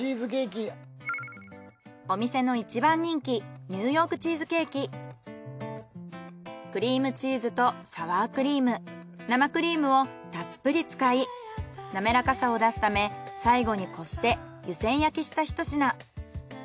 お店の一番人気クリームチーズとサワークリーム生クリームをたっぷり使い滑らかさを出すため最後にこして湯せん焼きしたひと品。